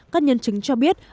các nhân chứng cho biết